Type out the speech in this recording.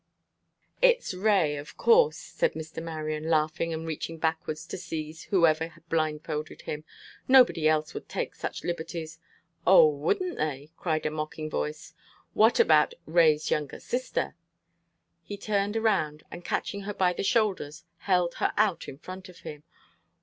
"It's Ray, of course," said Mr. Marion, laughing and reaching backwards to seize whoever had blindfolded him. "Nobody else would take such liberties." "O, wouldn't they?" cried a mocking voice. "What about Ray's younger sister?" He turned around, and catching her by the shoulders, held her out in front of him.